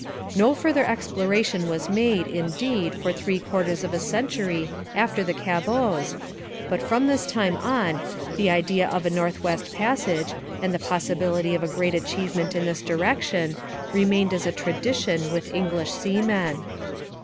No further exploration was made, indeed, for three quarters of a century after the Cabots, but from this time on the idea of a North West Passage and the possibility of a great achievement in this direction remained as a tradition with English seamen.